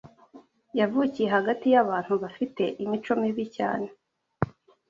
Yavukiye hagati y’abantu bafite imico mibi cyane